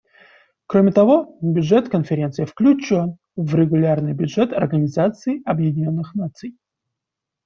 Кроме того, бюджет Конференции включен в регулярный бюджет Организации Объединенных Наций.